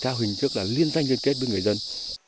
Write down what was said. theo hình thức là liên danh liên kết với người dân